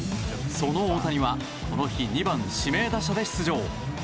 その大谷はこの日２番、指名打者で出場。